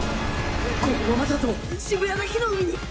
このままだと渋谷が火の海に！